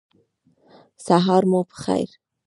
سهار مو پخیر